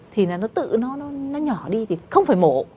thì là nó tự nó nhỏ đi thì không phải mổ